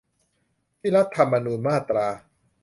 ที่รัฐธรรมนูญมาตรา